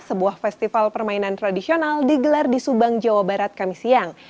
sebuah festival permainan tradisional digelar di subang jawa barat kami siang